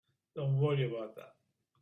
Don't worry about that.